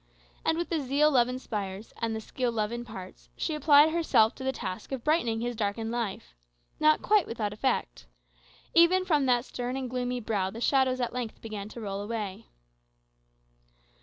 And with the zeal love inspires, and the skill love imparts, she applied herself to the task of brightening his darkened life. Not quite without effect. Even from that stern and gloomy brow the shadows at length began to roll away.